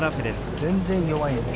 全然弱いね。